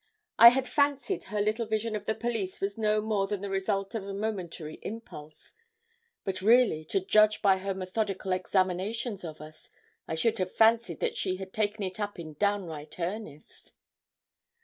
I had fancied her little vision of the police was no more than the result of a momentary impulse; but really, to judge by her methodical examinations of us, I should have fancied that she had taken it up in downright earnest.